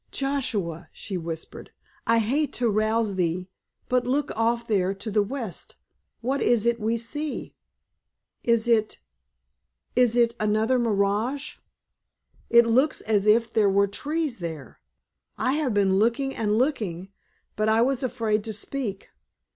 "Joshua," she whispered, "I hate to rouse thee, but—look off there to the west; what is it we see? Is it—is it another mirage? It looks as if there were trees there. I have been looking and looking, but I was afraid to speak.